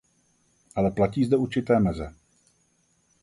Ale platí zde určité meze.